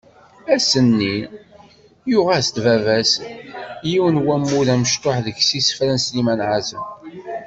Ass nni, yuγ-as-d baba-s yiwen n wammud amecṭuḥ deg-s isefra n Sliman Azem.